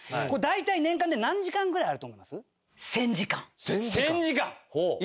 これ大体年間で何時間ぐらいあると思います？